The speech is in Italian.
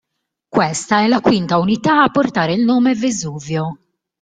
Questa è la quinta unità a portare il nome "Vesuvio".